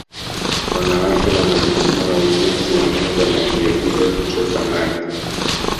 Wanawake wana jukumu la ujenzi wa nyumba na vilevile kuchota maji